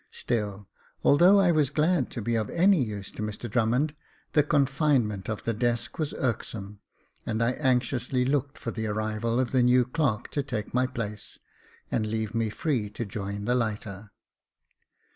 Still, although I was glad to be of any use to Mr Drummond, the confinement to the desk was irksome, and I anxiously looked for the arrival of the new clerk to take my place, and leave me free to join the lighter.